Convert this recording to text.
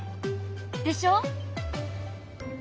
でしょ！